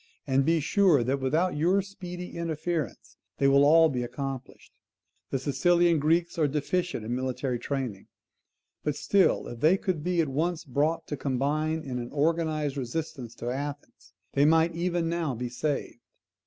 And be sure that without your speedy interference they will all be accomplished. The Sicilian Greeks are deficient in military training; but still if they could be at once brought to combine in an organised resistance to Athens, they might even now be saved.